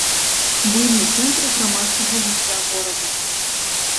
Буйны цэнтр грамадскага жыцця горада.